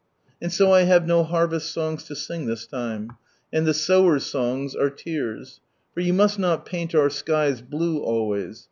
And so I have no harvest songs to sing this time. And the sower's songs are tears. For you must not paint our skies blue always.